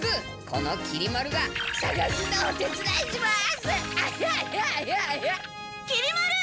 このきり丸がさがすのお手つだいします！